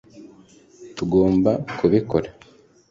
tugomba kubikora